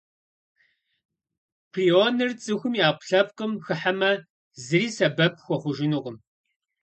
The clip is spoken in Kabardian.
Прионыр цӏыхум и ӏэпкълъэпкъым хыхьэмэ, зыри сэбэп хуэхъужынукъым.